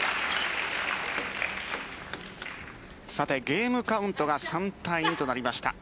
ゲームカウントが３対２となりました。